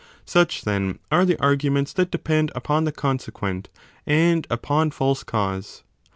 Such, then, are the arguments that depend upon the con sequent and upon false cause.